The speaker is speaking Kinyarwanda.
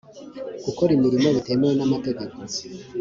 Gukora imirimo bitemewe n’amategeko